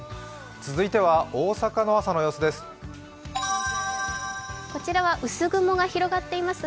続いては大阪の朝の様子です。